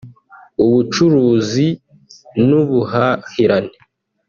Ubucuruzi n’ubuhahirane